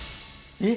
えっ！